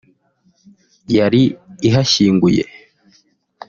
yari isanzwe ihashyinguye